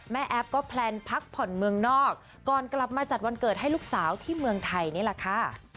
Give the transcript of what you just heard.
แอฟก็แพลนพักผ่อนเมืองนอกก่อนกลับมาจัดวันเกิดให้ลูกสาวที่เมืองไทยนี่แหละค่ะ